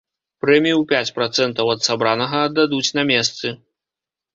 Прэмію ў пяць працэнтаў ад сабранага аддадуць на месцы.